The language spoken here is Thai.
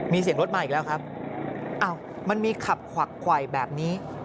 มีเสียงรถมาอีกแล้วครับอ้าวมันมีขับขวักไขวแบบนี้